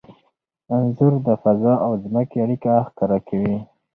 انځور د فضا او ځمکې اړیکه ښکاره کوي.